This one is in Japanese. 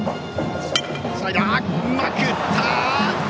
スライダー、うまく打った！